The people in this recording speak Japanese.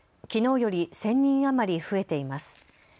きのうより１０００人余り増えています。